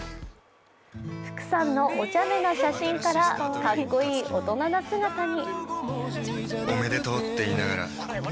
福さんのお茶目な写真からかっこいい大人な姿に。